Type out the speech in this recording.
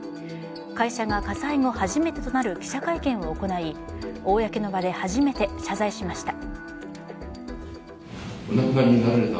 会社が火災後初めてとなる記者会見を行い公の場で初めて謝罪しました。